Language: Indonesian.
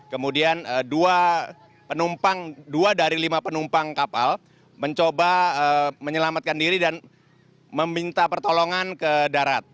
kemudian dua dari lima penumpang kapal mencoba menyelamatkan diri dan meminta pertolongan ke darat